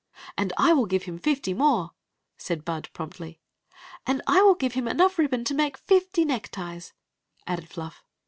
"And I will give him fifty more," said Bud, promptly. " And I will give him enough ribbon to make fifty neckties," added Fluff.